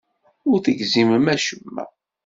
Ur tegzimem acemma.